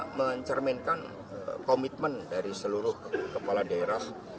kita mencerminkan komitmen dari seluruh kepala daerah